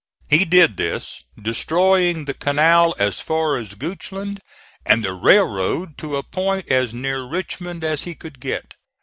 He did this, destroying the canal as far as Goochland, and the railroad to a point as near Richmond as he could get.